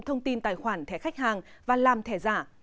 thông tin tài khoản thẻ khách hàng và làm thẻ giả